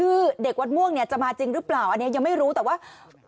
คือเด็กวัดม่วงเนี่ยจะมาจริงหรือเปล่าอันนี้ยังไม่รู้แต่ว่า